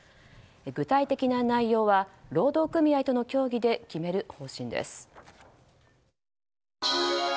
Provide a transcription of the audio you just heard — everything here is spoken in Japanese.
具体的な内容は労働組合との協議で決める方針です。